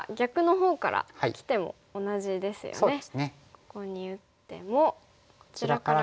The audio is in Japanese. ここに打ってもこちらからきても。